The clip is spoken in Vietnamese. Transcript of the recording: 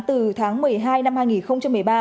từ tháng một mươi hai năm hai nghìn một mươi ba